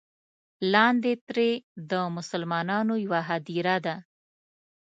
لاندې ترې د مسلمانانو یوه هدیره ده.